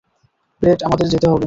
Red আমাদের যেতে হবে, প্লিজ।